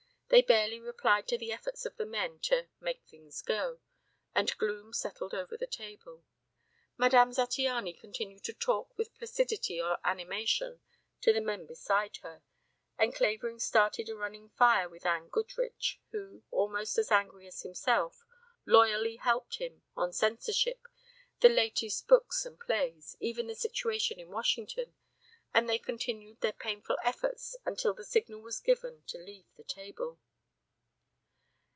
They barely replied to the efforts of the men to "make things go" and gloom settled over the table. Madame Zattiany continued to talk with placidity or animation to the men beside her, and Clavering started a running fire with Anne Goodrich, who, almost as angry as himself, loyally helped him, on censorship, the latest books and plays, even the situation in Washington; and they continued their painful efforts until the signal was given to leave the table.